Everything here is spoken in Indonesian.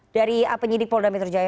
dari penyidik pol damitru jaya